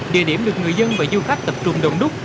địa điểm được người dân và du khách tập trung đông đúc